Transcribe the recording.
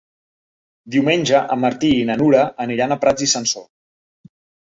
Diumenge en Martí i na Nura aniran a Prats i Sansor.